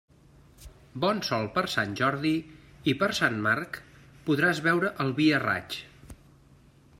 Bon sol per Sant Jordi i per Sant Marc, podràs beure el vi a raig.